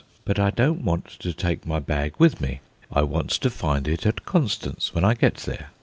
But I don't want to take my bag with me; I want to find it at Constance when I get there.